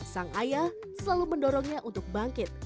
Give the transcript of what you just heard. sang ayah selalu mendorongnya untuk bangkit